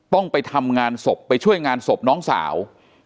ต้องไปทำงานศพไปช่วยงานศพน้องสาว